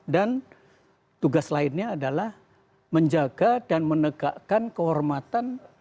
dan tugas lainnya adalah menjaga dan menegakkan kehormatan